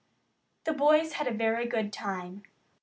The boys had a very good time.